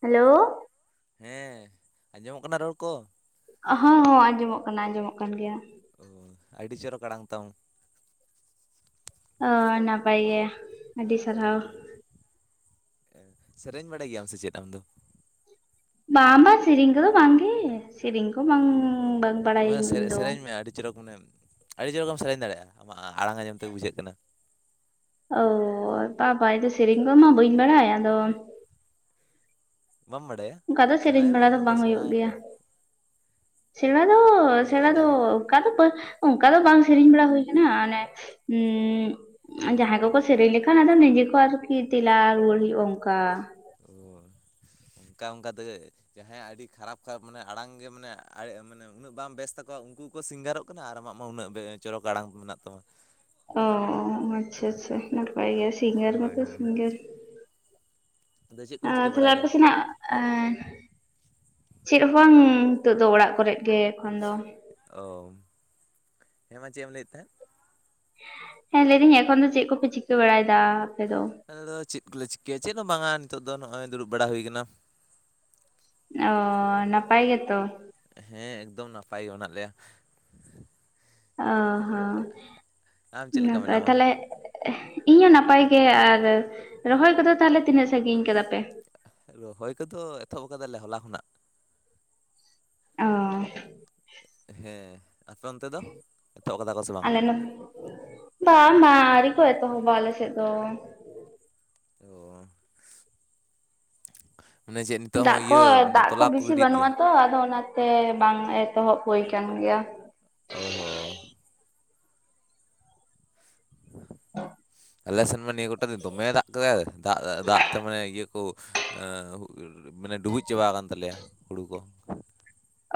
Hello. ᱦᱮᱸ ᱟᱸᱡᱚᱢᱚᱜ ᱠᱟᱱᱟ ᱨᱚᱲ ᱠᱚ? ᱦᱚᱸᱻᱦᱚᱸᱻ ᱟᱸᱡᱚᱢᱚᱜ ᱠᱟᱱᱟ ᱟᱸᱡᱚᱢᱚᱜ ᱠᱟᱱ ᱜᱮᱭᱟ᱾ ᱚ ᱟᱹᱰᱤ ᱪᱚᱨᱚᱠ ᱟᱲᱟᱟᱝ ᱛᱟᱢ᱾ ᱚ ᱱᱟᱯᱟᱭ ᱜᱮ᱾ ᱟᱹᱰᱤ ᱥᱟᱨᱦᱟᱣ ᱦᱮᱸ ᱥᱮᱨᱮᱧ ᱵᱟᱲᱟᱭ ᱜᱮᱭᱟᱢ ᱥᱮ ᱪᱮᱫ ᱟᱢ ᱫᱚ? ᱵᱟᱝ ᱵᱟᱝ ᱥᱤᱨᱤᱧ ᱠᱚᱫᱚ ᱵᱟᱝ ᱜᱮ᱾ ᱥᱮᱨᱮᱧ ᱠᱚ ᱳ ᱢᱟ ᱥᱮ ᱤᱧ ᱫᱚ ᱥᱮᱨᱮᱧ ᱢᱮ ᱟᱹᱰᱤ ᱪᱚᱨᱚᱠ ᱢᱟᱱᱮ, ᱟᱹᱰᱤ ᱡᱳᱨ ᱜᱮᱢ ᱥᱮᱨᱮᱧ ᱫᱟᱲᱮᱭᱟᱜᱼᱟ, ᱟᱢᱟᱜ ᱟᱲᱟᱝ ᱟᱸᱚᱢ ᱛᱮ ᱵᱩᱡᱷᱟᱹᱜ ᱠᱟᱱᱟ? ᱚ ᱟᱫᱚ ᱥᱮᱨᱮᱧ ᱠᱚ ᱢᱟ ᱵᱟᱹᱧ ᱵᱟᱰᱟᱭ ᱟᱫᱚ ᱵᱟᱢ ᱵᱟᱰᱟᱭᱟ? ᱚᱱᱠᱟ ᱫᱚ ᱥᱮᱨᱮᱧ ᱥᱮᱬᱟᱭ ᱵᱮᱲᱟ ᱢᱮ ᱫᱚ ᱚᱱᱟ ᱵᱟᱝ ᱦᱩᱭᱩᱜ ᱜᱮᱭᱟ᱾ ᱥᱮᱬᱟᱭᱟᱠᱚ ᱥᱮᱬᱟ ᱫᱚ, ᱥᱮᱬᱟ ᱱᱮᱛᱟᱨ ᱫᱚ ᱡᱟᱦᱟᱸ ᱞᱮᱠᱟ ᱚᱱᱠᱟ ᱫᱚ ᱵᱟᱝ ᱥᱮᱨᱮᱧ ᱵᱟᱲᱟ ᱦᱩᱭ ᱠᱟᱱᱟ ᱢᱟᱱᱮ ᱚ ᱡᱟᱦᱟᱸᱭ ᱠᱚᱠᱚ ᱥᱮᱨᱮᱧ ᱞᱮᱠᱷᱟᱱ ᱟᱫᱚ ᱱᱤᱡᱮ ᱠᱚ ᱟᱨᱠᱤ ᱛᱮᱞᱟ ᱨᱩᱣᱟᱹᱲ ᱦᱩᱭᱩᱜᱼᱟ ᱚᱝᱠᱟ᱾ ᱚ ᱚᱱᱠᱟ ᱚᱱᱠᱟ ᱛᱮᱜᱮ ᱡᱟᱦᱟᱸᱭᱟᱜ ᱟᱹᱰᱤ ᱠᱷᱟᱨᱟᱯ ᱠᱷᱟᱨᱟᱯ ᱢᱟᱱᱮ ᱟᱲᱟᱝ ᱜᱮ ᱢᱟᱱᱮ ᱢᱟᱱᱮ ᱩᱱᱟᱹᱜ ᱵᱟᱝ ᱵᱮᱥ ᱛᱟᱠᱚᱣᱟ ᱩᱱᱠᱩ ᱩᱱᱠᱩ ᱠᱚ ᱥᱤᱝᱜᱟᱨᱚᱜ ᱠᱟᱱᱟ ᱟᱨ ᱟᱢᱟᱜ ᱢᱟ ᱩᱱᱟᱹᱜ ᱪᱚᱨᱚᱠ ᱟᱲᱟᱝ ᱢᱮᱱᱟᱜ ᱛᱟᱢᱟ᱾ ᱚ ᱟᱪᱪᱷᱟᱻ ᱟᱪᱪᱷᱟᱻ ᱱᱟᱯᱟᱭ ᱜᱮᱭᱟ ᱥᱤᱝᱜᱟᱨ ᱦᱳᱭ ᱢᱟᱛᱚ ᱦᱳᱭ ᱥᱤᱝᱜᱟᱨ᱾ ᱟᱫᱚ ᱪᱮᱫ ᱠᱚᱢ ᱚ ᱪᱤᱠᱟᱹ ᱛᱟᱦᱚᱞᱮ ᱵᱟᱲᱟᱭᱮᱫᱟ? ᱟᱯᱮ ᱥᱮᱱᱟᱜ ᱟᱨ ᱪᱮᱫ ᱦᱚᱸ ᱵᱟᱝ ᱱᱤᱛᱚᱜ ᱫᱚ ᱚᱲᱟᱜ ᱠᱚᱨᱮ ᱜᱮ ᱮᱠᱷᱚᱱ ᱫᱚ᱾ ᱚ ᱦᱮᱸ ᱢᱟ ᱪᱮᱫ ᱮᱢ ᱞᱟᱹᱭᱮᱫ ᱛᱟᱦᱮᱸᱫ? ᱦᱮᱸ ᱞᱟᱹᱭᱫᱟᱹᱧ ᱮᱠᱷᱚᱱ ᱫᱚ ᱪᱮᱫ ᱠᱚᱯᱮ ᱪᱤᱠᱟᱹ ᱵᱟᱲᱟᱭᱮᱫᱟ ᱟᱯᱮ ᱫᱚ? ᱟᱞᱮ ᱫᱚ ᱪᱮᱫ ᱠᱚᱞᱮ ᱪᱤᱠᱟᱹᱭᱟ ᱪᱮᱫ ᱦᱚᱸ ᱵᱟᱝ ᱱᱤᱛᱚᱜ ᱫᱚ ᱱᱚᱜᱼᱚᱭ ᱫᱩᱲᱩᱵ ᱵᱟᱲᱟ ᱦᱩᱭᱟᱠᱟᱱᱟ᱾ ᱚ ᱱᱟᱯᱟᱭ ᱜᱮᱛᱚ᱾ ᱦᱮᱸ ᱮᱠᱫᱚᱢ ᱱᱟᱯᱟᱭ ᱜᱮ ᱢᱮᱱᱟᱜ ᱞᱮᱭᱟ᱾ ᱚ ᱦᱚᱸ ᱟᱢ ᱪᱮᱫ ᱞᱮᱠᱟ ᱱᱟᱯᱟᱭ ᱢᱮᱱᱟᱢᱟ ᱛᱟᱦᱚᱞᱮ ᱤᱧᱦ ᱦᱚᱸ ᱱᱟᱯᱟᱭ ᱜᱮ᱾ ᱟᱨ ᱨᱚᱦᱚᱭ ᱠᱚᱫᱚ ᱛᱟᱦᱚᱞᱮ ᱛᱤᱱᱟᱹᱜ ᱥᱟᱺᱜᱤᱧ ᱠᱟᱫᱟ ᱯᱮ? ᱨᱚᱦᱚᱭ ᱠᱚᱫᱚ ᱮᱛᱚᱦᱚᱵ ᱠᱟᱫᱟᱞᱮ ᱦᱚᱞᱟ ᱠᱷᱚᱱᱟᱜ᱾ ᱚ ᱦᱮᱸ ᱟᱯᱮ ᱚᱱᱛᱮ ᱫᱚ ᱮᱛᱚᱦᱚᱵ ᱠᱟᱫᱟ ᱠᱚ ᱥᱮ ᱵᱟᱝ? [unintelligible] ᱵᱟᱝ ᱢᱟ ᱟᱣᱹᱨᱤ ᱠᱚ ᱮᱛᱚᱦᱚᱵᱟ ᱟᱞᱮ ᱥᱮᱫ ᱫᱚ᱾ ᱚ ᱢᱟᱱᱮ ᱪᱮᱫ ᱱᱤᱛᱚᱜ ᱦᱚᱸ ᱫᱟᱜ ᱠᱚ ᱤᱭᱟᱹ ᱢᱟᱱᱮ ᱫᱟᱜ ᱠᱚ ᱛᱚᱞᱟ ᱵᱤᱥᱤ ᱜᱤᱰᱤᱭᱮᱫ ᱵᱟᱹᱱᱩᱜᱼᱟ ᱜᱮᱭᱟ ᱛᱚ, ᱟᱫᱚ ᱚᱱᱟᱛᱮ ᱵᱟᱝ ᱮᱛᱚᱦᱚᱵ ᱦᱩᱭ ᱠᱟᱱ ᱜᱮᱭᱟ᱾ ᱚ ᱦᱳ ᱟᱞᱮ ᱥᱮᱱ ᱢᱟ ᱱᱤᱭᱟᱹ ᱜᱚᱴᱟ ᱫᱤᱱ ᱫᱚᱢᱮ ᱫᱟᱜ ᱠᱮᱫᱟᱭ ᱫᱟᱜ ᱫᱟᱜ ᱛᱮ ᱢᱟᱱᱮ ᱤᱭᱟᱹ ᱠᱩ᱾ ᱮ ᱢᱟᱱᱮ ᱰᱩᱵᱩᱡ ᱪᱟᱵᱟ ᱠᱟᱱ ᱛᱟᱞᱮᱭᱟ ᱦᱩᱲᱩ ᱠᱚ᱾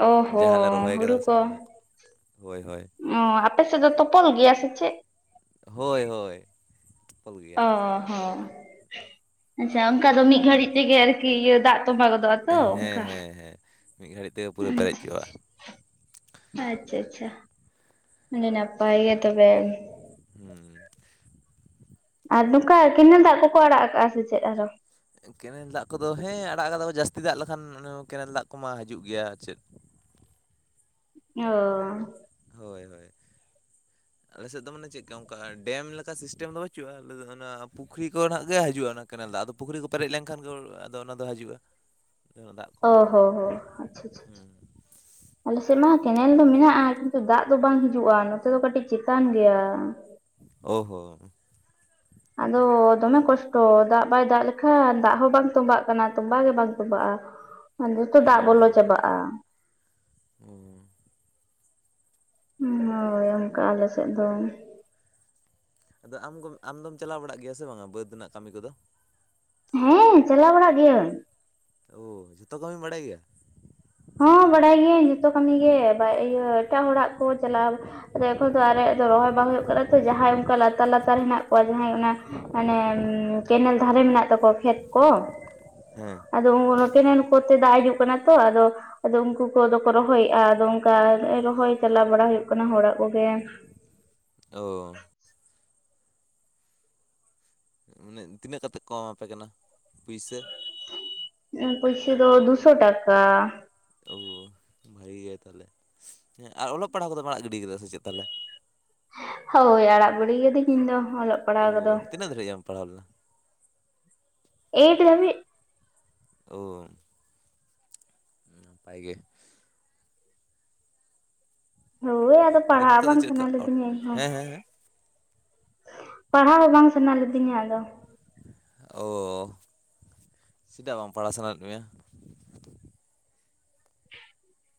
ᱚ ᱡᱟᱦᱟᱸ ᱞᱮ ᱦᱚᱸ ᱨᱚᱦᱚᱭ ᱠᱟᱫᱟ ᱥᱮ ᱚᱱᱟ ᱠᱚ ᱦᱳᱭ ᱦᱳᱭ᱾ ᱚᱻ ᱟᱯᱮ ᱥᱮᱫ ᱫᱚ ᱛᱚᱯᱚᱞ ᱜᱮᱭᱟ ᱥᱮ ᱪᱮᱫ? ᱦᱳᱭ ᱦᱳᱭ ᱛᱚᱯᱚᱞ ᱜᱮᱭᱟ ᱚ ᱦᱚᱸ ᱟᱪᱪᱷᱟ ᱚᱝᱠᱟ ᱫᱚ ᱢᱤᱜ ᱜᱷᱟᱹᱲᱤᱡ ᱛᱮᱜᱮ ᱟᱨᱠᱤ ᱤᱭᱟᱹ ᱫᱟᱜ ᱛᱚᱸᱵᱟᱷᱟ ᱜᱚᱫᱚᱜᱼᱟ᱾ ᱛᱚ ᱦᱮᱸ ᱚᱱᱠᱟ᱾ ᱦᱮᱸ ᱦᱮᱸ ᱢᱤᱜ ᱜᱷᱟᱹᱲᱤᱡ ᱛᱮᱜᱮ ᱯᱩᱨᱟᱹ ᱯᱮᱨᱮᱡ ᱪᱚᱵᱟᱜᱼᱟ᱾ ᱟᱪᱪᱷᱟ ᱟᱪᱪᱷᱟ ᱟᱹᱰᱤ ᱱᱟᱯᱟᱭ ᱜᱮ ᱛᱚᱵᱮ᱾ ᱦᱩᱸ ᱟᱨ ᱱᱚᱝᱠᱟ ᱠᱮᱱᱮᱞ ᱫᱟᱜ ᱠᱚᱠᱚ ᱟᱲᱟᱜ ᱟᱠᱟᱟᱜᱼᱟ ᱥᱮ ᱪᱮᱜ ᱟᱨᱦᱚ? ᱠᱮᱱᱮᱞ ᱫᱟᱜ ᱠᱚᱫᱚ ᱦᱮᱸ ᱟᱲᱟᱜ ᱠᱟᱫᱟ ᱡᱟᱹᱥᱛᱤ ᱫᱟᱜ ᱞᱮᱠᱷᱟᱱ ᱠᱮᱱᱮᱞ ᱫᱟᱜ ᱠᱚᱢᱟ ᱦᱤᱡᱩᱜ ᱜᱮᱭᱟ ᱟᱨ ᱪᱮᱫ᱾ ᱚ ᱦᱳᱭ ᱦᱳᱭ ᱟᱞᱮᱥᱮᱫ ᱫᱚ ᱢᱟᱱᱮ ᱪᱮᱜᱠᱟ ᱚᱝᱠᱟ ᱰᱮᱢ ᱞᱮᱠᱟ ᱥᱤᱥᱴᱮᱢ ᱫᱚ ᱵᱟᱹᱪᱩᱜᱼᱟ᱾ ᱟᱞᱮ ᱫᱚ ᱚᱱᱟ ᱯᱩᱠᱷᱨᱤ ᱠᱚ ᱱᱟᱜ ᱜᱮ ᱦᱤᱡᱩᱜᱼᱟ᱾ ᱠᱮᱱᱮᱞ ᱫᱟᱜ ᱟᱫᱚ ᱯᱩᱠᱷᱨᱤ ᱠᱚ ᱯᱮᱨᱮᱡ ᱞᱮᱱᱠᱷᱟᱱ ᱜᱮ ᱟᱫᱚ ᱚᱱᱟ ᱫᱚ ᱦᱤᱡᱩᱜᱼᱟ᱾ ᱚᱱᱟ ᱫᱟᱜ ᱠᱚ ᱚ ᱦᱚ ᱦᱚ ᱟᱪᱪᱷᱟ ᱟᱪᱪᱷᱟ᱾ ᱦᱩᱸ ᱟᱞᱮᱥᱮᱜ ᱢᱟ ᱠᱮᱱᱮᱞ ᱫᱚ ᱢᱮᱱᱟᱜᱼᱟ᱾ ᱠᱤᱱᱛᱩ ᱫᱟᱜ ᱫᱚ ᱵᱟᱝ ᱦᱤᱡᱩᱜᱼᱟ ᱱᱚᱛᱮ ᱫᱚ ᱠᱟᱹᱴᱤᱡ ᱪᱮᱛᱟᱱ ᱜᱮᱭᱟ᱾ ᱚ ᱦᱳ ᱟᱫᱚ ᱫᱚᱢᱮ ᱠᱚᱥᱴᱚ ᱫᱟᱜ ᱵᱟᱭ ᱫᱟᱜ ᱞᱮᱠᱷᱟᱱ ᱫᱟᱜ ᱦᱚᱸ ᱵᱟᱝ ᱛᱚᱵᱟᱜ ᱠᱟᱱᱟ ᱛᱚᱢᱵᱟ ᱜᱮ ᱵᱟᱝ ᱛᱚᱸᱚᱵᱟᱜᱼᱟ᱾ ᱟ ᱡᱚᱛᱚ ᱚ ᱫᱟᱜ ᱵᱚᱞᱚ ᱪᱟᱵᱟᱜ-ᱟ᱾ ᱚᱸᱻ ᱦᱳᱭ ᱚᱝᱠᱟ ᱟᱞᱮᱥᱮᱜ ᱫᱚ᱾ ᱟᱫᱚ ᱟᱢ ᱟᱢᱜᱚᱢ ᱟᱢᱫᱚᱢ ᱪᱟᱞᱟᱣ ᱵᱟᱲᱟᱜ ᱜᱮᱭᱟ ᱥᱮ ᱵᱟᱝᱟ ᱵᱟᱹᱫᱽ ᱨᱮᱱᱟᱜ ᱠᱟᱹᱢᱤ ᱠᱚᱫᱚ? ᱦᱮᱸ ᱪᱟᱞᱟᱣ ᱵᱟᱲᱟᱜ ᱜᱤᱭᱟᱹᱧ᱾ ᱳ ᱡᱷᱚᱛᱚ ᱠᱟᱹᱢᱤᱢ ᱵᱟᱲᱟᱭ ᱜᱮᱭᱟ? ᱦᱚᱸ ᱵᱟᱲᱟᱭ ᱜᱤᱭᱟᱹᱧ ᱡᱚᱛᱚ ᱠᱟᱹᱢᱤ ᱜᱮ ᱵᱟ ᱤᱭᱟᱹ ᱮᱴᱟᱜ ᱦᱚᱲᱟᱜ ᱠᱚ ᱪᱟᱞᱟᱣ ᱨᱮ ᱠᱚᱫᱚ ᱟᱨᱮᱭᱟᱜ ᱫᱚ ᱨᱚᱦᱚᱭ ᱵᱟᱝ ᱦᱩᱭᱩᱜ ᱠᱟᱱᱟ ᱛᱚ ᱡᱟᱦᱟᱸᱭ ᱚᱱᱠᱟ ᱞᱟᱛᱟᱨ ᱞᱟᱛᱟᱨ ᱦᱮᱱᱟᱜ ᱠᱚᱣᱟ ᱡᱟᱦᱟᱸᱭ ᱚᱱᱟ ᱢᱟᱱᱮ ᱠᱮᱱᱮᱞ ᱫᱷᱟᱨᱮ ᱢᱮᱱᱟᱜ ᱛᱟᱠᱚᱣᱟ ᱠᱷᱮᱛ ᱠᱚ᱾ ᱦᱮᱸ ᱟᱫᱚ ᱠᱮᱱᱮᱞ ᱠᱚᱨᱛᱮ ᱫᱟᱜ ᱦᱤᱡᱩᱜ ᱠᱟᱱᱟ ᱛᱚ ᱟᱫᱚ ᱟᱫᱚ ᱩᱝᱠᱩ ᱠᱚᱫᱚ ᱠᱚ ᱨᱚᱦᱚᱭᱮᱜᱼᱟ᱾ ᱟᱫᱚ ᱚᱝᱠᱟ ᱨᱚᱦᱚᱭ ᱪᱟᱞᱟᱣ ᱵᱟᱲᱟ ᱦᱩᱭᱩᱜ ᱠᱟᱱᱟ ᱦᱚᱲᱟᱜ ᱠᱚᱜᱮ᱾ ᱳ ᱱᱟᱹᱜ ᱛᱤᱱᱟᱹᱜ ᱠᱟᱛᱮᱜ ᱠᱚ ᱮᱢᱟᱯᱮ ᱠᱟᱱᱟ ᱯᱩᱭᱥᱟᱹ? ᱤᱧᱟᱜ ᱯᱚᱭᱥᱟᱹ ᱫᱚ ᱫᱩᱥᱚ ᱴᱟᱠᱟ᱾ ᱳ ᱵᱷᱟᱜᱤ ᱜᱮ ᱛᱟᱦᱞᱮ ᱦᱮᱸ ᱟᱨ ᱚᱞᱚᱜ ᱯᱟᱲᱦᱟᱜ ᱠᱚᱫᱚᱢ ᱟᱲᱟᱜ ᱜᱤᱰᱤᱭ ᱠᱟᱫᱟ ᱥᱮ ᱪᱮᱫ ᱛᱟᱦᱞᱮ? ᱦᱳᱭ ᱟᱲᱟᱜ ᱵᱩᱲᱤᱭ ᱠᱟᱹᱫᱤᱧ ᱤᱧ ᱫᱚ ᱚᱞᱚᱜ᱾ ᱚ ᱯᱟᱲᱦᱟᱣ ᱠᱚᱫᱚ ᱛᱤᱱᱟᱹᱜ ᱫᱷᱟᱹᱨᱤᱡ ᱮᱢ ᱯᱟᱲᱦᱟᱣ ᱞᱮᱱᱟ? ᱮᱭᱤᱴ ᱫᱷᱟᱵᱤᱡ [unintelligible] ᱱᱟᱯᱟᱭ ᱜᱮ ᱦᱳᱭ ᱟᱫᱚ ᱯᱟᱲᱦᱟᱜ ᱱᱤᱛᱚᱜ ᱫᱚ ᱵᱟᱝ ᱪᱮᱫ ᱞᱮᱠᱟ ᱥᱟᱱᱟ ᱞᱤᱫᱤᱧᱟ ᱤᱧ ᱦᱚᱸ᱾ ᱦᱮᱸ ᱦᱮᱸ ᱦᱮᱸ ᱯᱟᱲᱦᱟᱣ ᱦᱚᱸ ᱵᱟᱝ ᱥᱟᱱᱟ ᱞᱤᱫᱤᱧᱟ ᱟᱫᱚ᱾ ᱚ ᱪᱮᱫᱟᱜ ᱵᱟᱢ ᱯᱟᱲᱦᱟᱜ ᱥᱟᱱᱟᱭᱮᱫ ᱢᱮᱭᱟ?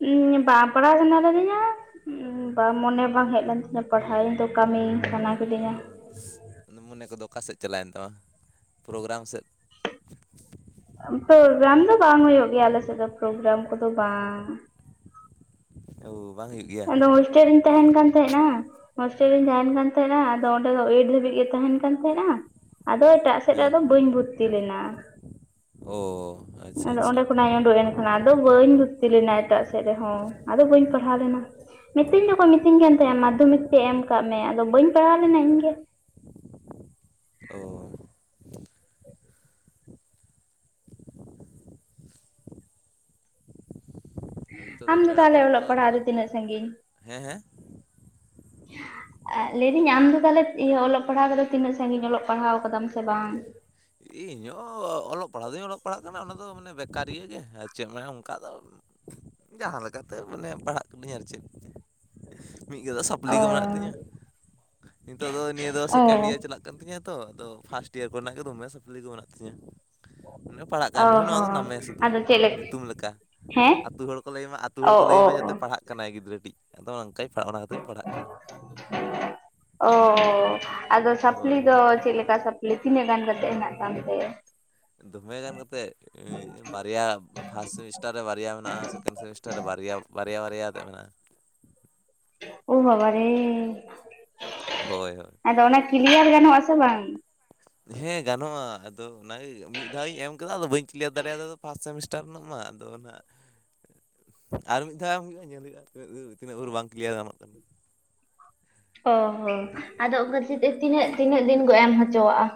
ᱩᱢ ᱵᱟᱝ ᱯᱟᱲᱦᱟᱜ ᱥᱟᱱᱟ ᱞᱤᱫᱤᱧᱟ᱾ ᱩᱸ ᱵᱟᱝ ᱢᱚᱱᱮ ᱵᱟᱝ ᱦᱮᱡ ᱞᱮᱱ ᱛᱤᱧᱟᱹ ᱯᱟᱲᱦᱟᱣ ᱤᱧ ᱫᱚ ᱠᱟᱹᱢᱤ ᱥᱟᱱᱟ ᱚ ᱠᱤᱫᱤᱧᱟ ᱢᱚᱱᱮ ᱠᱚᱫᱚ ᱚᱠᱟ ᱥᱮᱫ ᱪᱟᱞᱟᱣᱮᱱ ᱛᱟᱢᱟ ᱯᱨᱳᱜᱨᱟᱢ ᱥᱮᱫ ᱯᱨᱳᱜᱨᱟᱢ ᱫᱚ ᱵᱟᱝ ᱦᱩᱭᱩᱜ ᱜᱮᱭᱟ ᱟᱞᱮ ᱥᱮᱫ ᱫᱚ ᱯᱨᱳᱜᱨᱟᱢ ᱠᱚᱫᱚ ᱵᱟᱝ ᱚ ᱵᱟᱝ ᱦᱩᱭᱩᱜ ᱜᱮᱭᱟ ᱦᱚᱥᱴᱮᱞ ᱨᱤᱧ ᱛᱟᱦᱮᱱ ᱠᱟᱱ ᱛᱟᱦᱮᱱᱟ ᱦᱚᱥᱴᱮᱞ ᱨᱤᱧ ᱠᱟᱱ ᱛᱟᱦᱮᱸᱱᱟ ᱟᱫᱚ ᱚᱸᱰᱮ ᱫᱚ ᱮᱭᱤᱴ ᱫᱷᱟᱹᱵᱤᱡ ᱜᱮ ᱛᱟᱦᱮ ᱠᱟᱱ ᱛᱟᱦᱮᱸᱱᱟ ᱟᱫᱚ ᱮᱴᱟᱜ ᱥᱮᱫ ᱦᱮᱸ ᱨᱮᱫᱚ ᱵᱟᱹᱧ ᱵᱷᱩᱨᱛᱤ ᱞᱮᱱᱟ ᱚ ᱟᱪᱪᱷᱟ ᱟᱪᱪᱷᱟ ᱚᱱᱟᱫᱚ ᱵᱟᱹᱧ ᱵᱷᱩᱨᱛᱤ ᱞᱮᱱᱟ ᱮᱴᱟᱜ ᱥᱮᱫ ᱨᱮᱦᱚᱸ ᱟᱫᱚ ᱵᱟᱹᱧ ᱯᱟᱲᱦᱟᱣ ᱞᱮᱱᱟ᱾ ᱢᱤᱛᱟᱹᱧ ᱫᱚᱠᱚ ᱢᱤᱛᱟᱹᱧ ᱠᱟᱱ ᱛᱟᱦᱮᱸᱱᱟ ᱢᱟᱫᱽᱫᱷᱚᱢᱤᱠ ᱛᱮᱜ ᱮᱢ ᱠᱟᱜ ᱢᱮ ᱟᱫᱚ ᱵᱟᱹᱧ ᱯᱟᱲᱦᱟᱣ ᱞᱮᱱᱟ ᱤᱧᱜᱮ᱾ ᱚ ᱱᱤᱛᱚᱜ ᱫᱚ ᱟᱢ ᱯᱮᱲᱟ ᱠᱚ ᱛᱟᱦᱚᱞᱮ ᱵᱟᱠᱚ ᱚᱞᱚᱜ ᱞᱟᱜᱟᱜ ᱯᱟᱲᱦᱟᱜ ᱫᱚ ᱠᱟᱱᱟ ᱛᱤᱱᱟᱹᱜ ᱥᱟᱺᱜᱤᱧ ᱦᱮᱸ ᱦᱮᱸ ᱞᱟᱹᱭᱫᱟᱹᱧ ᱟᱢ ᱫᱚ ᱛᱟᱦᱞᱮ ᱤᱭᱟᱹ ᱚᱞᱚᱜ ᱯᱟᱲᱦᱟᱣᱫᱚ ᱛᱤᱱᱟᱹᱜ ᱥᱟᱺᱜᱤᱧ ᱚᱞᱚᱜ ᱯᱟᱲᱦᱟᱣ ᱠᱟᱫᱟᱢ ᱥᱮ ᱵᱟᱝ ᱤᱧ ᱦᱚᱸ ᱚᱞᱚᱜ ᱯᱟᱲᱦᱟᱜ ᱫᱩᱧ ᱚᱞᱚᱜ ᱯᱟᱲᱦᱟᱜ ᱠᱟᱱᱟ ᱚᱱᱟ ᱫᱚ ᱢᱟᱱᱮ ᱵᱮᱠᱟᱨᱤᱭᱟᱹ ᱜᱮ ᱟᱨ ᱪᱮᱫ ᱟᱱᱮ ᱚᱱᱠᱟ ᱫᱚ ᱡᱟᱦᱟᱸ ᱞᱮᱠᱟᱛᱮ ᱢᱟᱱᱮ ᱯᱟᱲᱦᱟᱜ ᱠᱟᱹᱱᱟᱹᱧ ᱟᱨ ᱪᱮᱫ ᱢᱤᱫ ᱜᱟᱫᱟ ᱥᱟᱯᱞᱤ ᱚ ᱠᱚ ᱢᱮᱱᱟᱜ ᱛᱤᱧᱟᱹ ᱱᱤᱛᱚᱜ ᱫᱚ ᱱᱤᱭᱟᱹ ᱫᱚ ᱚ ᱥᱮᱠᱮᱱᱰ ᱤᱭᱟᱨ ᱪᱟᱞᱟᱜ ᱠᱟᱱᱟ᱾ ᱠᱟᱱ ᱛᱤᱧᱟᱹ ᱛᱚ ᱟᱫᱚ ᱯᱷᱟᱥᱴ ᱤᱭᱟᱨ ᱠᱚᱨᱮᱱᱟᱜ ᱜᱮ ᱫᱚᱢᱮ ᱥᱟᱯᱞᱤ ᱠᱚ ᱢᱮᱱᱟᱜ ᱛᱤᱧᱟᱹ᱾ ᱚᱱᱮ ᱯᱟᱲᱦᱟᱜ ᱠᱟᱱ ᱚ ᱨᱮᱦᱚᱸ ᱱᱚᱣᱟ ᱫᱚ ᱦᱚᱸ ᱱᱟᱢᱮ ᱥᱩᱫᱷᱩ ᱟᱫᱚ ᱪᱮᱫ ᱧᱩᱛᱩᱢ ᱞᱮᱠᱟ᱾ ᱦᱮᱸ ᱟᱹᱛᱩ ᱦᱚᱲ ᱠᱚ ᱞᱟᱹᱭ ᱢᱟ ᱟᱹᱛᱩ ᱦᱚᱲ ᱚ ᱠᱚ ᱞᱟᱹᱭ ᱚ ᱢᱟ ᱚ ᱡᱟᱛᱮ ᱯᱟᱲᱦᱟᱜ ᱠᱟᱱᱟᱭ ᱜᱤᱫᱽᱨᱟᱹ ᱴᱤᱡ᱾ ᱟᱫᱚ ᱚᱱᱠᱟ ᱯᱟᱲᱦᱟᱣᱜ ᱫᱩᱧ ᱯᱟᱲᱦᱟᱜ ᱠᱟᱱᱟ᱾ ᱚ ᱟᱫᱚ ᱥᱟᱯᱞᱤ ᱦᱳᱭ ᱫᱚ ᱦᱳᱭ ᱪᱮᱫ ᱞᱮᱠᱟ ᱥᱟᱯᱞᱤ ᱛᱤᱱᱟᱹᱜ ᱜᱟᱱ ᱠᱟᱛᱮᱫ ᱦᱮᱱᱟᱜ ᱛᱟᱢ ᱛᱮ? ᱫᱚᱢᱮ ᱜᱟᱱ ᱠᱟᱛᱮᱫ᱾ ᱵᱟᱨᱭᱟ ᱯᱷᱟᱥᱴ ᱥᱮᱢᱤᱥᱴᱟᱨ ᱨᱮ ᱵᱟᱨᱭᱟ ᱢᱮᱱᱟᱜ-ᱟ ᱥᱮᱠᱮᱱᱰ ᱥᱮᱢᱤᱥᱴᱟᱨ ᱨᱮ ᱵᱟᱨᱭᱟ ᱵᱟᱨᱭᱟ ᱵᱟᱨᱭᱟ ᱠᱟᱛᱮ ᱢᱮᱱᱟᱜ-ᱟ᱾ ᱳ ᱵᱟᱵᱟ ᱨᱮ ᱦᱳᱭ ᱦᱳᱭ ᱟᱫᱚ ᱚᱱᱟ ᱠᱮᱞᱤᱭᱟᱨ ᱜᱟᱱᱚᱜ-ᱟ ᱥᱮ ᱵᱟᱝ? ᱦᱮᱸ ᱜᱟᱱᱚᱜ-ᱟ ᱟᱫᱚ ᱚᱱᱟᱜᱮ ᱢᱤᱫ ᱫᱷᱟᱣ ᱤᱧ ᱮᱢ ᱠᱟᱫᱟ ᱟᱫᱚ ᱵᱟᱹᱧ ᱠᱮᱞᱤᱭᱟᱨ ᱫᱟᱲᱮᱭᱟᱫᱟ ᱯᱷᱟᱥᱴ ᱥᱮᱢᱤᱥᱴᱟᱨ᱾ ᱴᱟᱨ ᱨᱮᱱᱟᱜ ᱢᱟ ᱟᱫᱚ ᱚᱱᱟ ᱟᱨ ᱢᱤᱫ ᱫᱷᱟᱣ ᱮᱢ ᱦᱩᱭᱩᱜᱼᱟ᱾ ᱧᱮᱞ ᱦᱩᱭᱩᱜᱼᱛᱤᱱᱟᱜ ᱛᱤᱱᱟᱹᱜ ᱵᱷᱳᱨ ᱵᱟᱝ ᱠᱞᱤᱭᱟᱨ ᱜᱟᱱᱚᱜ ᱠᱟᱱᱟ᱾ ᱚ ᱦᱚᱸ ᱟᱫᱚ ᱚᱱᱠᱟ ᱛᱮ ᱛᱤᱱᱟᱹᱜ ᱛᱤᱱᱟᱹᱜ ᱫᱤᱱ ᱠᱚ ᱮᱢ ᱦᱚᱪᱚᱣᱟᱜᱼᱟ?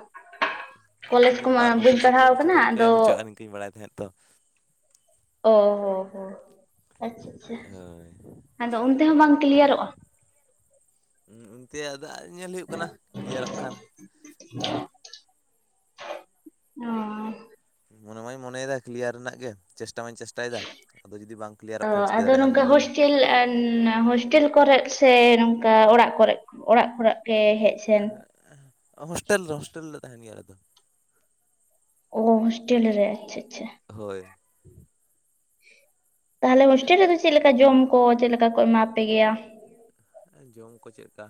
ᱠᱚᱞᱮᱡᱽ ᱛᱤᱱᱟᱹᱜ ᱠᱚᱢᱟ ᱵᱟᱨ ᱵᱟᱹᱧ ᱵᱚᱪᱷᱚᱨ ᱥᱮ ᱯᱮ ᱯᱟᱲᱦᱟᱣ ᱵᱚᱪᱷᱚᱨ ᱟᱠᱟᱱᱟ ᱫᱷᱟᱹᱨᱤᱡ ᱠᱚ ᱟᱫᱚ [unintelligible] ᱵᱟᱲᱟᱭ ᱛᱟᱦᱮᱸᱜ ᱛᱚ ᱚ ᱟᱪᱪᱷᱟ ᱟᱪᱪᱷᱟ ᱦᱳᱭ ᱟᱫᱚ ᱚᱱᱛᱮ ᱦᱚᱸ ᱵᱟᱝ ᱠᱞᱤᱭᱟᱨᱚᱜ-ᱟ? ᱚᱱᱛᱮ ᱫᱟᱜ ᱧᱮᱞ ᱦᱩᱭᱩᱜ ᱠᱟᱱᱟ ᱠᱞᱤᱭᱟᱨᱚᱜ ᱠᱷᱟᱱ [unintelligible] ᱚ ᱢᱚᱱᱮ ᱢᱟᱧ ᱢᱚᱱᱮᱭᱮᱫᱟ ᱠᱮᱞᱤᱭᱟᱨ ᱨᱮᱱᱟᱜ ᱜᱮ ᱪᱮᱥᱴᱟ ᱢᱟᱧ ᱪᱮᱥᱴᱟᱭᱟ ᱪᱮᱥᱴᱟᱭᱮᱫᱟ ᱟᱫᱚ ᱡᱩᱫᱤ ᱵᱟᱝ ᱠᱮᱞᱤᱭᱟᱨᱚᱜ ᱠᱷᱟᱱ ᱪᱤᱠᱟᱹ ᱫᱟᱲᱮᱭᱟᱜ-ᱟ ᱢᱟ ᱞᱟᱹᱭ ᱢᱮ? [unintelligible] ᱩᱻ ᱦᱳᱥᱴᱮᱞ ᱠᱚᱨᱮ ᱥᱮ ᱱᱚᱝᱠᱟ ᱚᱲᱟᱜ ᱠᱚᱨᱮ ᱚᱲᱟᱜ ᱠᱚᱨᱮ ᱜᱮ ᱦᱮᱡ ᱥᱮᱱ ᱦᱳᱥᱴᱮᱞ ᱨᱮ ᱦᱳᱥᱴᱮᱞ ᱨᱮ ᱛᱟᱦᱮᱱ ᱜᱮᱭᱟ ᱟᱞᱮᱫᱚ᱾ ᱚ ᱦᱥᱴᱮᱞ ᱨᱮ ᱟᱪᱪᱷᱟ ᱟᱪᱪᱷᱟ᱾ ᱦᱳᱭ ᱛᱟᱦᱚᱞᱮ ᱦᱳᱥᱴᱮᱞ ᱨᱮᱫᱚ ᱪᱮᱫ ᱞᱮᱠᱟ ᱡᱚᱢ ᱠᱚ ᱪᱮᱫ ᱞᱮᱠᱟ ᱠᱚ ᱮᱢᱟ ᱯᱮ ᱜᱮᱭᱟ? ᱡᱚᱢ ᱠᱚ ᱪᱮ ᱞᱮᱠᱟ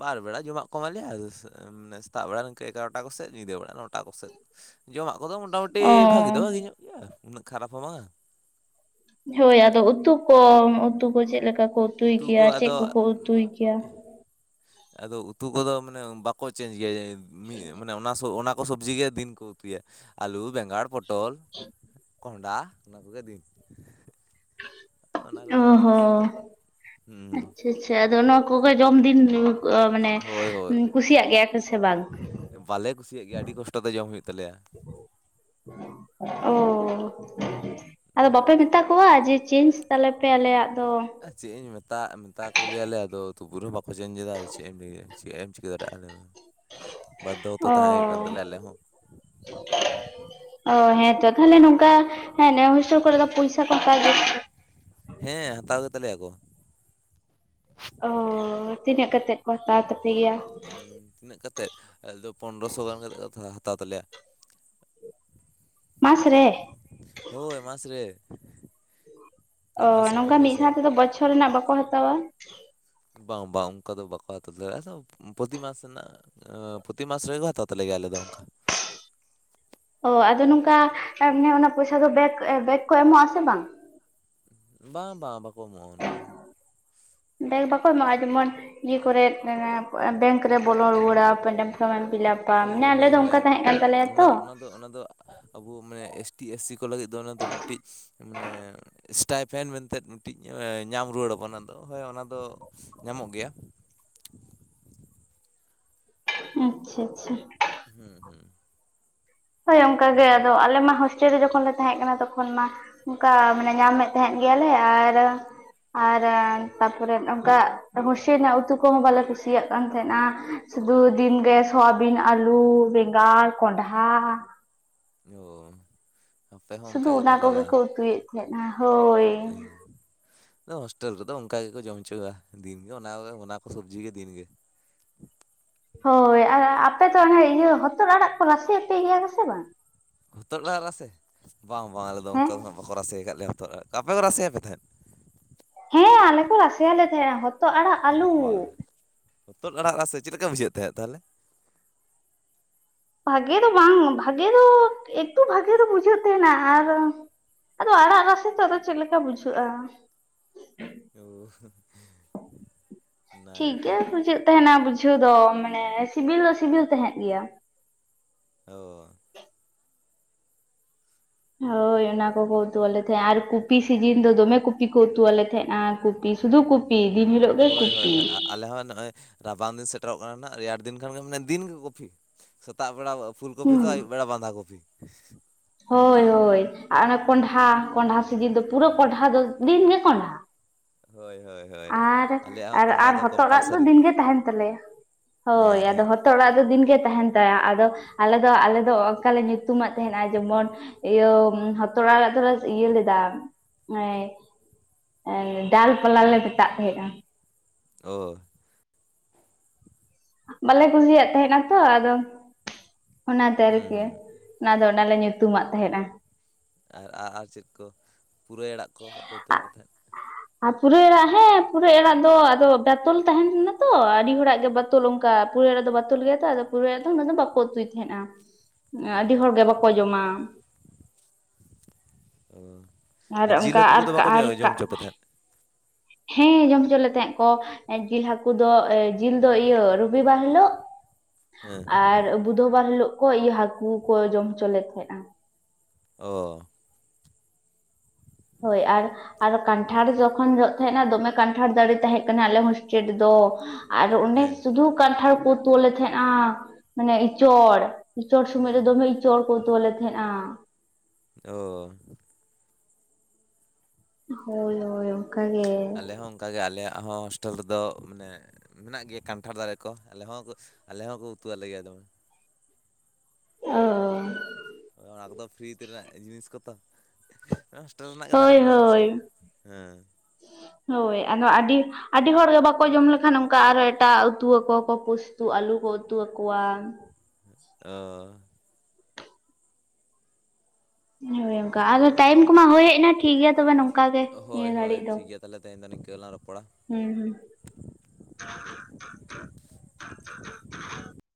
ᱵᱟᱨ ᱵᱮᱲᱟ ᱡᱚᱢᱟᱜ ᱠᱚ ᱮᱢᱟ ᱞᱮᱭᱟ ᱥᱮᱛᱟᱜ ᱵᱮᱲᱟ ᱱᱤᱝᱠᱟᱹ ᱮᱜᱟᱨᱳᱚᱴᱟ ᱠᱚᱥᱮᱫ ᱧᱤᱫᱟᱹ ᱵᱮᱲᱟ ᱱᱚᱴᱟ ᱠᱚᱥᱮᱜ᱾ ᱡᱚᱢᱟᱜ ᱠᱚᱫᱚ ᱢᱚᱴᱟᱢᱩᱴᱤ ᱚ ᱵᱷᱟᱜᱤ ᱫᱚ ᱵᱷᱟᱜᱮ ᱧᱚᱜ ᱜᱮᱭᱟ ᱩᱱᱟᱹᱜ ᱠᱷᱟᱨᱟᱯ ᱦᱚᱸ ᱵᱟᱝ ᱾ ᱦᱳᱭ ᱟᱫᱚ ᱩᱛᱩ ᱠᱚ ᱩᱛᱩ ᱠᱚ ᱪᱮ ᱞᱮᱠᱟ ᱠᱚ ᱩᱛᱩᱭ ᱩᱛᱩ ᱜᱮᱭᱟ ᱠᱚ ᱪᱮᱜ ᱟᱫᱚ ᱠᱚᱠᱚ ᱩᱛᱩᱭ ᱜᱮᱭᱟ? ᱟᱫᱚ ᱩᱛᱩ ᱠᱚᱫᱚ ᱢᱟᱱᱮ ᱵᱟᱠᱚ ᱪᱮᱧᱡᱽ ᱜᱮᱭᱟ ᱡᱤ ᱢᱟᱱᱮ ᱚᱱᱟ ᱥᱚ ᱚᱱᱟ ᱠᱚ ᱥᱚᱵᱡᱤ ᱜᱮ ᱫᱤᱱ ᱠᱚ ᱩᱛᱩᱩᱭᱟ ᱟᱞᱩ ᱵᱮᱸᱜᱟᱲ ᱯᱚᱴᱚᱞ ᱠᱚᱦᱸᱰᱟ ᱚᱱᱟ ᱠᱚᱜᱮ ᱫᱤᱱ ᱚᱱᱟ ᱠᱚ ᱚ ᱠᱟᱹᱴᱤᱡ ᱦᱚᱸ ᱦᱩᱸ ᱟᱪᱪᱷᱟ ᱟᱪᱪᱷᱟ ᱟᱫᱚ ᱱᱚᱣᱟ ᱠᱚᱜᱮ ᱡᱚᱢ ᱫᱤᱱ ᱢᱟᱱᱮ ᱦᱳᱭ ᱦᱳᱭ᱾ ᱠᱩᱥᱤᱭᱟᱜ ᱜᱮᱭᱟ ᱯᱮᱥᱮ ᱵᱟᱝ? ᱵᱟᱞᱮ ᱠᱩᱥᱤᱭᱟᱜ ᱜᱮᱭᱟ ᱟᱹᱰᱤ ᱠᱚᱥᱴᱚ ᱛᱮ ᱡᱚᱢ ᱦᱩᱭᱩᱜ ᱛᱟᱞᱮᱭᱟ ᱚ ᱟᱫᱚ ᱵᱟᱯᱮ ᱢᱮᱼᱼ ᱛᱟᱠᱚᱣᱟ ᱡᱮ ᱪᱮᱧᱡᱽ ᱛᱟᱞᱮ ᱯᱮ ᱟᱞᱮᱭᱟᱜ ᱫᱚ ᱪᱮᱫ ᱤᱧ ᱢᱮᱛᱟ ᱢᱮᱛᱟ ᱠᱚ ᱜᱮᱭᱟᱞᱮ ᱟᱫᱚ ᱛᱩᱵᱩᱨ ᱨᱮ ᱦᱚᱸ ᱵᱟᱠᱚ ᱪᱮᱱᱡᱽ ᱮᱫᱟ ᱟᱫᱚ ᱪᱮᱫ ᱮᱢ ᱞᱟᱹᱭᱟ ᱪᱮᱫ ᱮᱢ ᱪᱤᱠᱟᱹ ᱫᱟᱲᱮᱭᱟᱜᱼᱟ ᱞᱟᱹᱭ ᱢᱮ ᱵᱟᱫᱽᱫᱷᱚ ᱜᱚᱛᱚ ᱛᱟᱦᱮᱸ ᱦᱩᱭᱩᱜ ᱠᱟᱱ ᱛᱟᱞᱮᱭᱟ ᱟᱞᱮ ᱚᱻ ᱦᱚᱸ [inaudible] ᱚ ᱦᱮᱸ ᱛᱚ ᱛᱟᱦᱞᱮ ᱱᱚᱝᱠᱟ ᱦᱮᱸ ᱦᱳᱥᱴᱮᱞ ᱠᱚᱨᱮ ᱫᱚ ᱯᱚᱭᱥᱟ ᱠᱚ ᱦᱟᱛᱟᱣ ᱦᱮᱸ ᱦᱟᱛᱟᱣ ᱜᱮ ᱛᱟᱞᱮᱭᱟ ᱠᱚ ᱚ ᱛᱤᱱᱟᱹᱜ ᱠᱟᱛᱮᱫ ᱠᱚ ᱦᱟᱛᱟᱣ ᱛᱟᱯᱮᱜ ᱜᱮᱭᱟ? ᱛᱤᱱᱟᱹᱜ ᱠᱟᱛᱮᱫ ᱟᱞᱮ ᱫᱚ ᱯᱚᱱᱰᱨᱚ ᱥᱚ ᱜᱟᱱ ᱠᱟᱛᱮᱫ ᱠᱚ ᱦᱟᱛᱟᱣ ᱛᱟᱞᱮᱭᱟ᱾ ᱢᱟᱥ ᱨᱮ ᱦᱳᱭ ᱢᱟᱥ ᱨᱮ ᱚ ᱢᱤᱫ ᱢᱟᱥ ᱨᱮ ᱱᱚᱝᱠᱟ ᱢᱤᱫ ᱯᱚᱱᱨᱚᱥᱚ ᱥᱟᱶ ᱛᱮᱫᱚ ᱵᱚᱪᱷᱚᱨ ᱨᱮᱱᱟᱜ ᱵᱟᱠᱚ ᱦᱟᱛᱟᱣᱟ ᱵᱟᱝ ᱵᱟᱝ ᱚᱱᱠᱟ ᱫᱚ ᱵᱟᱠᱚ ᱦᱟᱛᱟᱣ ᱫᱟᱲᱮᱭᱟᱜᱼᱟ ᱥᱮ ᱯᱨᱚᱛᱤᱢᱟᱟᱥ ᱨᱮᱱᱟᱜ ᱯᱨᱩᱛᱤ ᱢᱟᱥ ᱨᱮᱚ ᱦᱟᱛᱟᱣ ᱛᱟᱞᱮ ᱜᱮ ᱟᱞᱮ ᱫᱚ ᱚᱱᱠᱟ ᱚ ᱟᱫᱚ ᱱᱚᱝᱠᱟ ᱚᱱᱟ ᱯᱚᱭᱥᱟ ᱫᱚ ᱵᱮᱠ ᱵᱮᱠ ᱠᱚ ᱮᱢᱚᱜ ᱟᱥᱮ ᱵᱟᱝ? ᱵᱟᱝ ᱵᱟᱝ ᱵᱟᱠᱚ ᱮᱢᱚᱜᱼᱟ ᱚᱱᱟ ᱦᱚᱸ ᱵᱮᱜᱽ ᱵᱟᱠᱚ ᱮᱢᱟᱜᱼᱟ ᱡᱮᱢᱚᱱ ᱤᱭᱟᱹ ᱠᱚᱨᱮᱫ ᱵᱮᱝᱠ ᱨᱮ ᱵᱚᱞᱚ ᱨᱩᱣᱟᱹᱲᱟ [unintelligible] ᱯᱷᱨᱚᱢ ᱮᱢ ᱯᱷᱤᱞᱟᱯᱟ ᱢᱟᱱᱮ ᱳ ᱟᱞᱮ ᱦᱮᱸ ᱫᱚ ᱚᱱᱠᱟ ᱦᱮᱸ ᱛᱟᱦᱮᱸ ᱠᱟᱱ ᱛᱟᱞᱮᱭᱟ ᱚᱱᱟ ᱛᱚ ᱫᱚ ᱚᱱᱟ ᱫᱚ ᱚᱱᱟ ᱫᱚ ᱟᱵᱚ ᱢᱟᱱᱮ ᱮᱥ ᱴᱤ, ᱮᱥ ᱥᱤ ᱠᱚ ᱞᱟᱹᱜᱤᱫ ᱫᱚ ᱚᱱᱟ ᱫᱚ ᱢᱤᱫᱴᱤᱡ ᱢᱟᱱᱮ ᱥᱴᱟᱭᱯᱷᱮᱱ ᱢᱮᱱᱛᱮᱫ ᱢᱤᱫᱴᱤᱡ ᱧᱟᱢ ᱨᱩᱣᱟᱹᱲ ᱟᱵᱚᱱ ᱟᱫᱚ ᱦᱳᱭ ᱚᱱᱟᱫᱚ ᱧᱟᱢᱚᱜ ᱜᱮᱭᱟ᱾ ᱟᱪᱪᱷᱟ ᱟᱪᱪᱷᱟ ᱦᱩᱸ ᱦᱩᱸ ᱦᱳᱭ ᱚᱱᱠᱟ ᱜᱮ ᱟᱫᱚ ᱟᱞᱮ ᱢᱟ ᱦᱳᱥᱴᱮᱞ ᱨᱮ ᱡᱚᱠᱷᱚᱱ ᱞᱮ ᱛᱟᱦᱮᱸ ᱠᱟᱱᱟ ᱛᱚᱠᱷᱚᱱ ᱢᱟ ᱚᱱᱠᱟ ᱢᱟᱱᱮ ᱧᱟᱢᱮᱫ ᱛᱟᱦᱮᱸᱫ ᱜᱮᱭᱟᱞᱮ ᱟᱨ ᱟᱨ ᱛᱟᱨᱯᱚᱨᱮ ᱱᱚᱝᱠᱟ ᱦᱳᱥᱴᱮᱞ ᱨᱮᱱᱟᱜ ᱩᱛᱩ ᱠᱚᱦᱚᱸ ᱵᱟᱞᱮ ᱠᱩᱥᱤᱭᱟᱜ ᱠᱟᱱ ᱛᱟᱦᱮᱱᱟ᱾ ᱥᱩᱫᱩ ᱫᱤᱱᱜᱮ ᱥᱳᱣᱟᱵᱤᱱ ᱟᱹᱞᱩ ᱵᱮᱸᱜᱟᱲ ᱠᱚᱸᱰᱷᱟ ᱚᱻ ᱟᱯᱮ ᱦᱚᱸ ᱥᱩᱫᱷᱩ ᱚᱱᱠᱟ ᱜᱮ ᱚᱱᱟ ᱛᱟᱦᱞᱮ ᱠᱚᱜᱮ ᱵᱟᱝ? ᱠᱚ ᱩᱛᱩᱭᱮᱫ ᱛᱟᱦᱮᱸᱱᱟ ᱦᱳᱭ ᱤᱧ ᱟᱫᱚ ᱦᱳᱥᱴᱮᱞ ᱨᱮᱫᱚ ᱚᱱᱠᱟ ᱜᱮ ᱠᱚ ᱡᱚᱢ ᱦᱚᱪᱚᱣᱟ ᱫᱤᱱᱜᱮ ᱚᱱᱟ ᱚᱱᱟᱠᱚ ᱥᱚᱵᱡᱤ ᱜᱮ ᱫᱤᱱᱜᱮ ᱦᱚᱭ ᱟᱨ ᱟᱯᱮ ᱫᱚ ᱚᱱᱮ ᱤᱭᱟᱹ ᱦᱚᱛᱚᱫ ᱟᱲᱟᱜ ᱠᱚ ᱨᱟᱥᱮ ᱟᱯᱮ ᱜᱮᱭᱟ ᱠᱚ ᱥᱮ ᱵᱟᱝ ᱦᱚᱛᱚᱫ ᱟᱲᱟᱜ ᱨᱟᱥᱮ? ᱵᱟᱝ ᱵᱟᱝ ᱟᱞᱮ ᱫᱚ ᱦᱮᱸ ᱚᱱᱠᱟ ᱫᱚ ᱦᱟᱸᱜ ᱵᱟᱠᱚ ᱨᱟᱥᱮ ᱟᱠᱟᱫ ᱞᱮᱭᱟ ᱦᱚᱛᱚᱫ ᱟᱲᱟᱜ, ᱟᱯᱮ ᱠᱚ ᱨᱟᱥᱮᱭᱟᱜ ᱯᱮ ᱛᱟᱦᱮᱸᱫ? ᱦᱮᱸ ᱟᱞᱮ ᱠᱚ ᱨᱟᱥᱮ ᱟᱞᱮ ᱛᱟᱦᱮᱸᱼᱟ ᱦᱚᱛ ᱤ ᱵᱟᱵᱟ ᱦᱚᱛᱚᱫ ᱟᱲᱟᱜ ᱨᱟᱥᱮ ᱪᱮᱫ ᱞᱮᱠᱟ ᱵᱩᱡᱷᱟᱹᱜ ᱛᱟᱦᱮᱸᱫ ᱛᱟᱞᱦᱮ ᱵᱷᱟᱜᱮ ᱫᱚ ᱵᱟᱝ ᱵᱷᱟᱜᱮ ᱫᱚ ᱮᱠᱴᱩ ᱵᱷᱟᱜᱮ ᱫᱚ ᱵᱩᱡᱷᱟᱹᱜ ᱛᱟᱦᱮᱱᱟ ᱟᱨ ᱟᱫᱚ ᱟᱲᱟᱜ ᱨᱟᱥᱮ ᱫᱚ ᱪᱮᱫ ᱞᱮᱠᱟ ᱵᱩᱡᱷᱟᱹᱜᱼᱟ? ᱳᱻ [unintelligible] ᱴᱷᱤᱠ ᱜᱮᱭᱟ ᱵᱩᱡᱟᱹᱜ ᱛᱟᱦᱮᱱᱟ ᱵᱩᱡᱷᱟᱹᱣ ᱫᱚ ᱢᱟᱱᱮ ᱥᱤᱵᱤᱞ ᱫᱚ ᱥᱤᱵᱤᱞ ᱛᱟᱦᱮᱸᱫ ᱜᱮᱭᱟ ᱚᱻ ᱦᱳᱭ ᱚᱱᱟ ᱠᱚᱠᱚ ᱩᱛᱩᱣᱟᱜ ᱞᱮ ᱛᱟᱦᱮᱸᱜ ᱟᱨ ᱠᱩᱯᱤ ᱥᱤᱡᱤᱱ ᱫᱚ ᱫᱚᱢᱮ ᱠᱚᱯᱤ ᱠᱚ ᱩᱛᱩᱣᱟᱜ ᱞᱮ ᱛᱟᱦᱮᱸᱜᱼᱟ ᱠᱩᱯᱤ ᱥᱩᱫᱷᱩ ᱠᱚᱯᱤ ᱯᱤ ᱫᱤᱱ ᱦᱤᱞᱚᱜ ᱦᱳᱭ ᱦᱳᱭ ᱦᱳᱭ ᱟᱞᱮ ᱦᱚᱸ ᱱᱚᱜᱼᱚᱭ ᱨᱟᱵᱟᱝ ᱫᱤᱱ ᱥᱮᱴᱮᱨᱚᱜ ᱠᱟᱱᱟ ᱱᱟᱜ ᱨᱮᱭᱟᱲ ᱫᱤᱱ ᱠᱷᱟᱱ ᱜᱮ ᱢᱟᱱᱮ ᱫᱤᱱᱜᱮ ᱠᱚᱯᱷᱤ ᱥᱮᱛᱟᱜ ᱵᱮᱲᱟ ᱫᱚ... ᱯᱷᱩᱞ ᱠᱚᱵᱤ ᱫᱚ ᱟᱹᱭᱩᱵ ᱵᱮᱲᱟ ᱵᱟᱸᱫᱷᱟ ᱠᱚᱵᱤ ᱦᱚᱭ ᱦᱚᱭ ᱟᱨ ᱚᱱᱮ ᱠᱚᱸᱰᱷᱟ ᱠᱚᱸᱰᱷᱟ ᱥᱤᱡᱤᱱ ᱫᱚ ᱯᱩᱨᱟᱹ ᱠᱚᱸᱰᱷᱟ ᱫᱚ ᱫᱤᱱᱜᱮ ᱠᱚᱸᱰᱷᱟ ᱦᱳᱭ ᱦᱳᱭ ᱦᱳᱭ ᱟᱨ ᱟᱞᱮᱭᱟᱜ ᱦᱚᱸ ᱟᱨ ᱠᱚᱸᱰᱷᱟ ᱟᱨ ᱫᱚ ᱦᱚᱛᱚᱫ ᱟᱲᱟᱜ ᱫᱚ ᱠᱚᱢᱯᱟᱞᱥᱟᱨᱤ ᱫᱤᱱᱜᱮ ᱛᱟᱦᱮᱱ ᱛᱟᱞᱮᱭᱟ ᱦᱳᱭ ᱦᱮᱸ ᱟᱫᱚ ᱦᱮᱸ ᱛᱚ ᱚᱲᱟᱜ ᱫᱚ ᱫᱤᱱᱜᱮ ᱛᱟᱦᱮᱱ ᱛᱟᱭᱟ ᱟᱫᱚ ᱟᱞᱮ ᱫᱚ ᱟᱞᱮ ᱫᱚ ᱚᱱᱠᱟ ᱞᱮ ᱧᱩᱛᱩᱢᱟᱜ ᱛᱟᱦᱮᱱᱟ ᱡᱮᱢᱚᱱ ᱤᱭᱟᱹ ᱦᱚᱛᱚᱫ ᱟᱲᱟᱜ ᱫᱚᱞᱮ ᱤᱭᱟ ᱞᱮᱫᱟ [inaudible] ᱰᱟᱞ ᱯᱟᱞᱟ ᱞᱮ ᱢᱮᱛᱟᱫ ᱛᱟᱦᱮᱸᱫᱼᱟ ᱚ ᱵᱟᱞᱮ ᱠᱩᱥᱤᱭᱟᱜ ᱛᱟᱦᱮᱸᱱᱟ ᱛᱚ ᱟᱫᱚ ᱚᱱᱟᱛᱮ ᱦᱩᱸ ᱟᱨᱠᱤ ᱦᱩᱸ ᱚᱱᱟᱫᱚ ᱚᱱᱟᱞᱮ ᱧᱩᱛᱩᱢᱟᱜ ᱛᱟᱦᱮᱱᱟ ᱟᱨ ᱟᱨ ᱪᱮᱫ ᱠᱚ ᱯᱩᱨᱟᱹᱭ ᱟᱲᱟᱜ ᱠᱚ ᱵᱟᱠᱚ ᱩᱛᱩ ᱟᱯᱮ ᱛᱟᱦᱮᱸᱫ ᱟᱨ ᱯᱩᱨᱟᱹᱭ ᱟᱲᱟᱜ ᱦᱮᱸ ᱯᱩᱨᱟᱹᱭ ᱟᱲᱟᱜ ᱫᱚ ᱟᱫᱚ ᱵᱮᱛᱚᱞ ᱛᱟᱦᱮᱱ ᱠᱟᱱᱟ ᱛᱚ ᱟᱹᱰᱤ ᱦᱚᱲᱟᱜ ᱜᱮ ᱵᱮᱼᱼ ᱯᱩᱨᱟᱣ ᱟᱲᱟᱜ ᱫᱚ ᱵᱟᱛᱩᱞ ᱜᱮᱭᱟ ᱛᱚ ᱟᱫᱚ ᱯᱩᱨᱟᱹᱭ ᱟᱲᱟᱜ ᱫᱚ ᱩᱱᱟᱹᱜ ᱫᱚ ᱵᱟᱠᱚ ᱩᱛᱩᱭ ᱛᱟᱦᱮᱸᱱᱟ ᱟᱹᱰᱤ ᱦᱚᱲ ᱜᱮ ᱵᱟᱠᱚ ᱡᱚᱢᱟ [unintelligible] ᱚ ᱟᱨ ᱡᱤᱞ ᱦᱟᱹᱠᱩ ᱠᱚᱫᱚ ᱵᱟᱠᱚ ᱡᱳ... ᱡᱚᱢ ᱦᱚᱪᱚᱯᱮ ᱛᱟᱦᱮᱸᱫ? ᱦᱮᱸ ᱡᱚᱢ ᱦᱚᱪᱚ ᱞᱮ ᱛᱟᱦᱮᱸᱜ ᱠᱚ ᱡᱤᱞ ᱦᱟᱹᱠᱩ ᱫᱚ ᱡᱤᱞ ᱫᱚ ᱤᱭᱟᱹ ᱨᱚᱵᱤᱵᱟᱨ ᱦᱤᱞᱳᱜ ᱦᱮᱸ ᱟᱨ ᱵᱩᱫᱷᱚ ᱵᱟᱨ ᱦᱤᱞᱳᱜ ᱠᱚ ᱤᱭᱟᱹ ᱦᱟᱹᱠᱩ ᱠᱚ ᱡᱚᱢ ᱦᱚᱪᱚ ᱞᱮᱫ ᱛᱟᱦᱮᱸᱫᱼᱟ ᱚ ᱦᱳᱭ ᱟᱨ ᱟᱨ ᱠᱟᱱᱴᱷᱟᱲ ᱡᱚᱠᱷᱚᱱ ᱡᱚᱜ ᱛᱟᱦᱮᱸᱱᱟ ᱫᱚᱢᱮ ᱠᱟᱱᱴᱷᱟᱲ ᱫᱟᱨᱮ ᱛᱟᱦᱮᱸ ᱠᱟᱱᱟ ᱟᱞᱮ ᱦᱳᱥᱴᱮᱞ ᱨᱮ ᱫᱚ ᱟᱨ ᱚᱸᱰᱮ ᱦᱮᱸ ᱥᱩᱫᱷᱩ ᱠᱟᱱᱴᱷᱟᱲ ᱠᱚ ᱩᱛᱚᱣᱟᱞᱮ ᱛᱟᱦᱮᱸᱜᱼᱟ ᱢᱟᱱᱮ ᱤᱸᱪᱚᱲ ᱤᱸᱪᱚᱲ ᱥᱚᱢᱚᱭ ᱦᱮᱸ ᱨᱮ ᱦᱮᱸ ᱫᱚᱢᱮ ᱤᱸᱪᱚᱲ ᱠᱚ ᱩᱛᱩᱣᱟᱞᱮ ᱛᱟᱦᱮᱸᱜᱼᱟ ᱚ ᱦᱳᱭ ᱦᱳᱭ ᱚᱱᱠᱟ ᱜᱮ ᱟᱞᱮ ᱦᱚᱸ ᱚᱱᱠᱟᱜᱮ ᱟᱞᱮᱭᱟᱜ ᱦᱚᱸ ᱦᱳᱥᱴᱮᱞ ᱨᱮᱫᱚ ᱢᱟᱱᱮ ᱢᱮᱱᱟᱜ ᱜᱮᱭᱟ ᱠᱟᱱᱴᱷᱟᱲ ᱫᱟᱨᱮ ᱠᱚ ᱟᱞᱮ ᱦᱚᱸ ᱟᱞᱮ ᱦᱚᱸᱠᱚ ᱩᱛᱩ ᱟᱞᱮ ᱜᱮᱭᱟ ᱫᱚᱢᱮ ᱚ ᱚᱱᱟ ᱠᱚᱫᱚ ᱯᱷᱤᱨᱤ ᱛᱮᱱᱟᱜ ᱡᱤᱱᱤᱥ ᱠᱚᱛᱚ ᱦᱚᱳᱥᱴᱮᱞ ᱨᱮᱱᱟᱜ ᱜᱮ ᱫᱟᱨᱮ ᱦᱳᱭ ᱢᱮᱱᱟᱜᱼᱟ ᱟᱨ ᱦᱳᱭ ᱪᱮᱫ ᱦᱮ ᱦᱳᱭ ᱟᱨ ᱱᱚᱣᱟ ᱟᱹᱰᱤ ᱟᱹᱰᱤ ᱦᱚᱲᱜᱮ ᱵᱟᱠᱚ ᱡᱚᱢ ᱞᱮᱠᱷᱟᱱ ᱚᱱᱠᱟ ᱟᱨᱚ ᱮᱴᱟᱜ ᱩᱛᱩ ᱟᱠᱚᱣᱟ ᱠᱚ ᱯᱳᱥᱛᱩ ᱟᱹᱞᱩ ᱠᱚ ᱩᱛᱩ ᱟᱠᱚᱣᱟ ᱚ ᱦᱳᱭ ᱚᱱᱠᱟ ᱟᱫᱚ ᱴᱟᱭᱤᱢ ᱠᱚᱢᱟ ᱦᱳᱭ ᱦᱮᱡ ᱮᱱᱟ ᱴᱷᱤᱠᱜᱮᱭᱟ ᱛᱚᱵᱮ ᱱᱚᱝᱠᱟ ᱜᱮ ᱱᱤᱭᱟᱹ ᱜᱷᱟᱹᱲᱤᱡ ᱫᱚ ᱛᱟᱦᱞᱮ ᱛᱮᱦᱮᱧ ᱫᱚ ᱱᱤᱝᱠᱟᱹ ᱜᱮᱞᱟᱝ ᱨᱚᱯᱚᱲᱟ ᱦᱮᱸ ᱦᱩᱸ